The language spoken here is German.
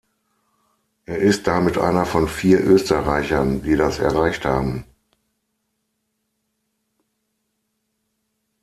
Er ist damit einer von vier Österreichern, die das erreicht haben.